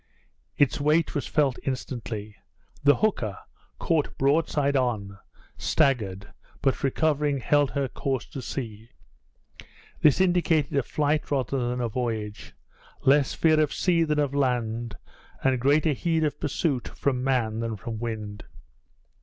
Its weight was felt instantly. The hooker, caught broadside on, staggered, but recovering held her course to sea. This indicated a flight rather than a voyage, less fear of sea than of land, and greater heed of pursuit from man than from wind.